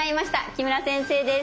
木村先生です。